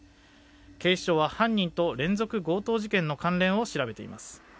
警視庁は犯人と連続強盗事件の関連を調べています。